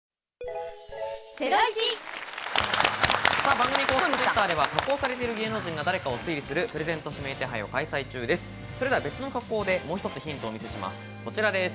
番組公式Ｔｗｉｔｔｅｒでは加工されてる芸能人が誰かを推理するプレゼント指名手配を開催中です。